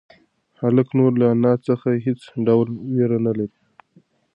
هلک نور له انا څخه هېڅ ډول وېره نهلري.